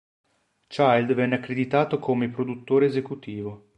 Child venne accreditato come produttore esecutivo.